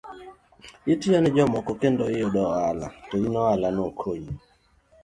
Itiyo ne jomoko kendo giyudo ohala to in ohala no ok konyi.